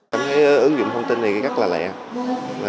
trong khi ứng dụng thông tin này rất là lẹ